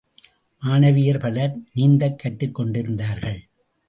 மாணவியர் பலர் நீந்தக் கற்றுக்கொண்டிருந்தார்கள்.